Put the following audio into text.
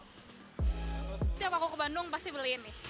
setiap aku ke bandung pasti beliin nih